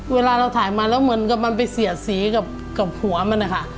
เวลาเราถ่ายมาแล้วเหมือนกับมันไปเสียดสีกับหัวมันนะคะ